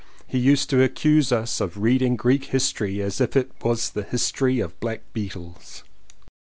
He used to accuse us of reading Greek History as if it was the history of black beetles.